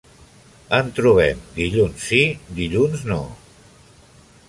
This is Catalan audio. En trobem dilluns sí, dilluns no.